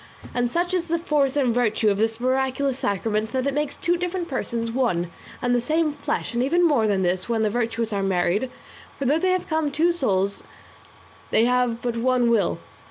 And such is the force and virtue of this miraculous sacrament that it makes two different persons one and the same flesh; and even more than this when the virtuous are married; for though they have two souls they have but one will.